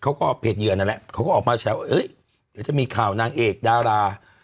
เขาก็เพจเหยื่อนั่นแหละเขาก็ออกมาแฉว่าเดี๋ยวจะมีข่าวนางเอกดารา